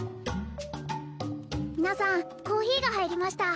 皆さんコーヒーが入りました